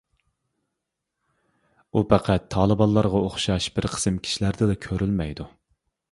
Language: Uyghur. ئۇ پەقەت تالىبانلارغا ئوخشاش بىر قىسىم كىشىلەردىلا كۆرۈلمەيدۇ.